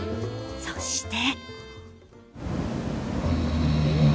そして。